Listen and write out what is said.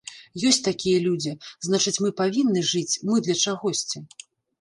Ёсць такія людзі, значыць мы павінны жыць, мы для чагосьці.